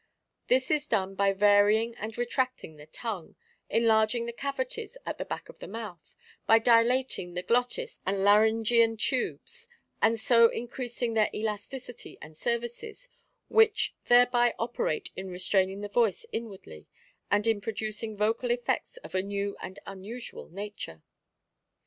This is done by varying and retracting the tongue, enlarging the cavities at the back of the mouth, by dilating the the glottis and laryngean tubes, and so increasing their elasticity and services, which thereby operate in restraining the voice in wardly, and in producing vocal effects of a new and unusual nature.